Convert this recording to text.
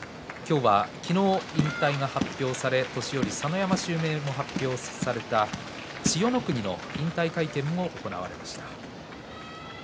昨日、引退が発表された年寄佐ノ山襲名が発表された千代の国の引退会見も行われました。